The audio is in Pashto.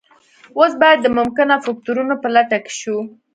اوس باید د ممکنه فکتورونو په لټه کې شو